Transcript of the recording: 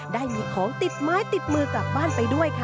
ได้มีของติดไม้ติดมือกลับบ้านไปด้วยค่ะ